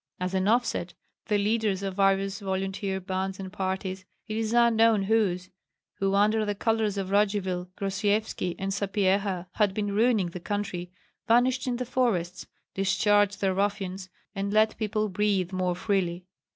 As an offset, the leaders of various volunteer bands and parties it is unknown whose who under the colors of Radzivill, Grosyevski, and Sapyeha had been ruining the country, vanished in the forests, discharged their ruffians, and let people breathe more freely.